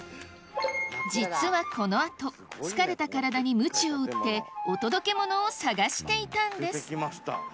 実はこの後疲れた体にむちを打ってお届けモノを探していたんです